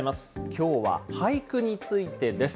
きょうは俳句についてです。